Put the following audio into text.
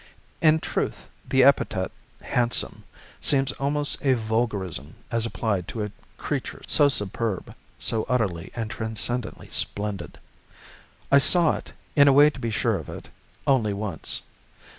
In truth, the epithet "handsome" seems almost a vulgarism as applied to a creature so superb, so utterly and transcendently splendid. I saw it in a way to be sure of it only once.